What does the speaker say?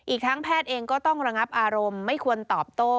อีกทั้งแพทย์เองก็ต้องระงับอารมณ์ไม่ควรตอบโต้